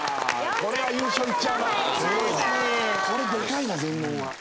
これでかいな全問は。